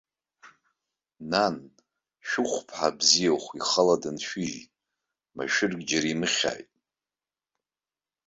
Нан, шәыхәԥҳа бзиахә ихала дыншәыжьит, машәырк џьара имыхьааит.